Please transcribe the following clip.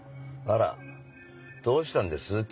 あらどうしたんです？